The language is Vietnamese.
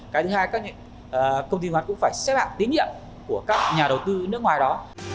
cái thứ hai các công ty chứng khoán cũng phải xếp hạng tín nhận của các nhà đầu tư nước ngoài đó